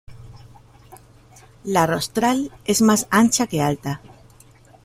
La rostral es más ancha que alta.